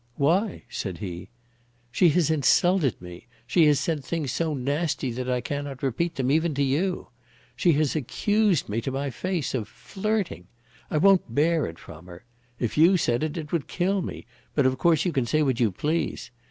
"Why?" said he. "She has insulted me. She has said things so nasty that I cannot repeat them, even to you. She has accused me to my face of flirting. I won't bear it from her. If you said it, it would kill me; but of course you can say what you please.